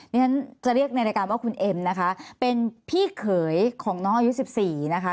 นี่ฉันจะเรียกในรายการว่าคุณเอ็มนะคะเป็นพี่เขยของน้องอายุ๑๔นะคะ